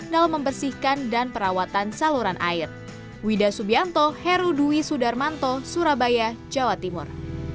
dalam membersihkan dan perawatan saluran air